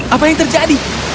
apa yang terjadi